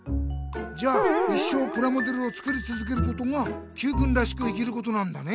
じゃあ一生プラモデルを作りつづけることがＱくんらしく生きることなんだね！